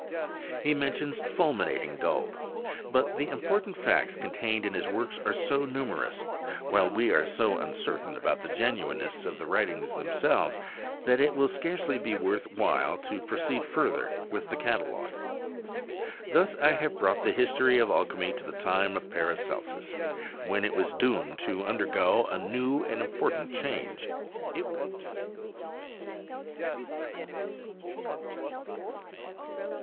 He mentions fulminating gold. But the important facts contained in his works are so numerous, while we are so uncertain about the genu ineness of the writings themselves, that it will scarcely be worth while to proceed further with the catalogue. Thus I have brought the history of alchymy to the time of Paracelsus, when it was doomed to undergo a new and important change.